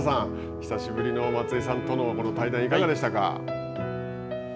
久しぶりの松井さんとの対談いかがでしたか。